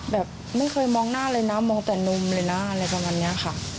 แบบไม่เคยมองหน้าเลยนะมองแต่นมเลยนะอะไรประมาณนี้ค่ะ